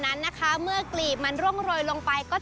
โหเม็ดบัวอบ